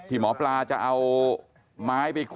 ที่หมอปลาจะเอาไม้ไปคุยดู